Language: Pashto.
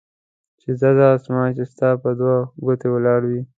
چې ځه ځه اسمان چې ستا پر دوه ګوتې ولاړ وي.